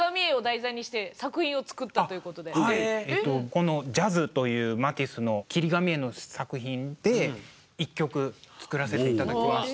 この「ジャズ」というマティスの切り紙絵の作品で一曲作らせて頂きました。